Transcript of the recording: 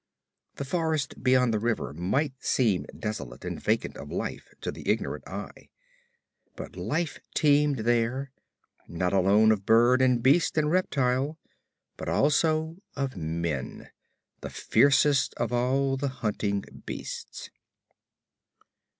The forest beyond the river might seem desolate and vacant of life to the ignorant eye, but life teemed there, not alone of bird and beast and reptile, but also of men, the fiercest of all the hunting beasts.